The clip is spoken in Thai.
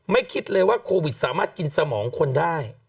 คิดเลยว่าโควิดสามารถกินสมองคนได้